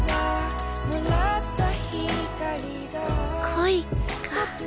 恋か。